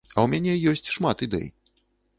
А ў мяне ёсць шмат ідэй.